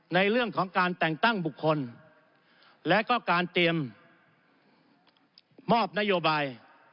ในเรื่องของการแต่งตั้งบุคคลและก็การเตรียมมอบนโยบาย